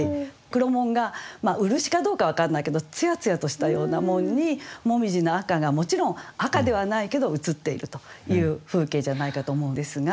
黒門が漆かどうか分からないけどつやつやとしたような門に紅葉の赤がもちろん赤ではないけど映っているという風景じゃないかと思うんですが。